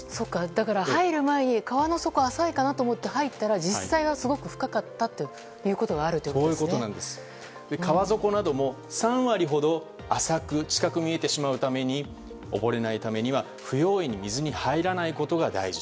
だから入る前に川の底浅いかなと思って入ったら実際はすごく深かったということが川底なども、３割ほど浅く近く見えてしまうため溺れないためには不用意に水に入らないことが大事。